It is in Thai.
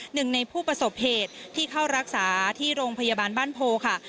หนึ่งในผู้ประสบเหตุที่เข้ารักษาที่โรงพยาบาลบ้านโพค่ะ